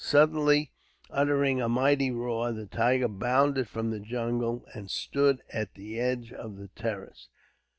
Suddenly, uttering a mighty roar, the tiger bounded from the jungle, and stood at the edge of the terrace.